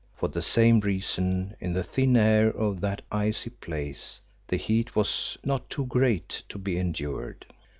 For the same reason, in the thin air of that icy place the heat was not too great to be endured.